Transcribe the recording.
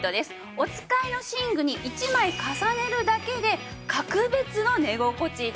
お使いの寝具に１枚重ねるだけで格別の寝心地となるんです。